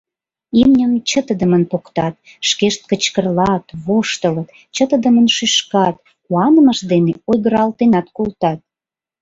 Имньым чытыдымын поктат, шкешт кычкырлат, воштылыт, чытыдымын шӱшкат, куанымышт дене ойгыралтенат колтат.